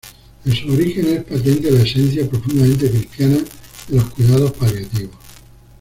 En sus orígenes es patente la esencia profundamente cristiana de los cuidados paliativos.